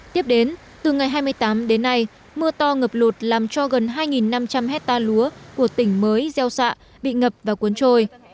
tiếp đến từ ngày hai mươi tám đến nay mưa to ngập lụt làm cho gần hai năm trăm linh hectare lúa của tỉnh mới gieo xạ bị ngập và cuốn trôi